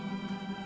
setiap senulun buat